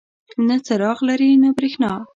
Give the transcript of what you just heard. نه څراغ لري نه بریښنا.